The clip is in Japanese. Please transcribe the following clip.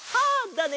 だね！